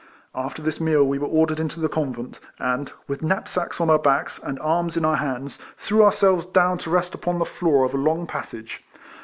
After this meal we were ordered into the convent, and, with knapsacks on our backs, and arms in our hands, threw ourselves down to rest upon the floor of a long passage.